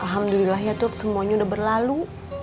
alhamdulillah ya tuh semuanya udah berlalu